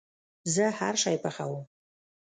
زه هرشی پخوم